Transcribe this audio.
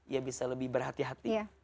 ya bisa lebih berhati hati